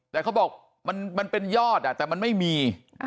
แต่เขาบอกมันเป็นยอดแต่มันไม่มี